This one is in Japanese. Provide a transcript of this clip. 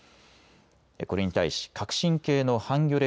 これに対し革新系のハンギョレ